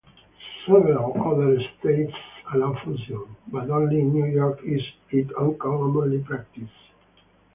Several other states allow fusion, but only in New York is it commonly practiced.